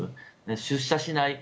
出社しない。